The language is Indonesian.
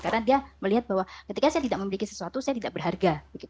karena dia melihat bahwa ketika saya tidak memiliki sesuatu saya tidak berharga